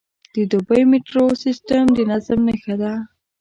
د دوبی میټرو سیستم د نظم نښه ده.